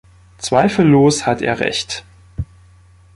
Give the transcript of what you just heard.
Zweifellos hat er Recht.